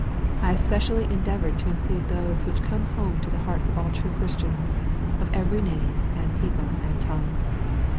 I have spe cially endeavoured to include those which come home to the hearts of all true Christians, of every name, and people, and tongue.